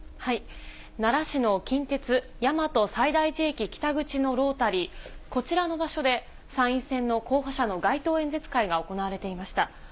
奈良市の近鉄大和西大寺駅北口のロータリー、こちらの場所で、参院選の候補者の街頭演説会が行われていました。